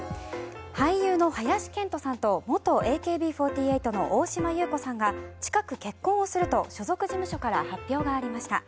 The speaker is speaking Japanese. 俳優の林遣都さんと元ＡＫＢ４８の大島優子さんが近く結婚をすると所属事務所から発表がありました。